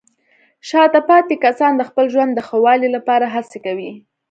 شاته پاتې کسان د خپل ژوند د ښه والي لپاره هڅې کوي.